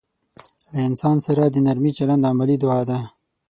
له انسان سره د نرمي چلند عملي دعا ده.